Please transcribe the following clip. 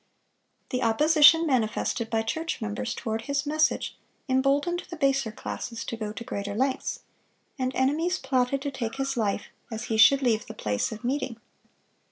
The opposition manifested by church members toward his message, emboldened the baser classes to go to greater lengths; and enemies plotted to take his life as he should leave the place of meeting.